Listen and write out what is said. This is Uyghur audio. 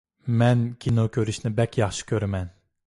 مەن كىنو كۆرۈشنى بەك ياخشى كۆرىمەن.